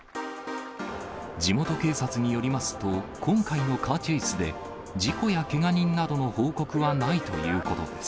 地元警察によりますと、今回のカーチェイスで、事故やけが人などの報告はないということです。